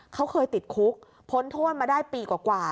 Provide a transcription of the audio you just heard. เขาเคยติดคุกพ้นโทษมาได้ปีกว่า